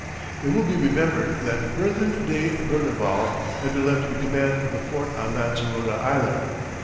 It will be remembered that Berthin de Berneval had been left in command of the fort on Lancerota Island.